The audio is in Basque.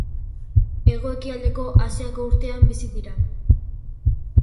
Hego-ekialdeko Asiako urtean bizi dira.